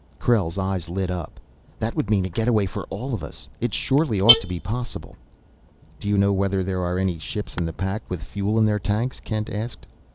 Krell's eyes lit up. "That would mean a getaway for all of us! It surely ought to be possible!" "Do you know whether there are any ships in the pack with fuel in their tanks?" Kent asked.